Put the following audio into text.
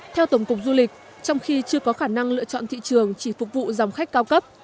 theo tổng cục du lịch trong khi chưa có khả năng lựa chọn thị trường chỉ phục vụ dòng khách cao cấp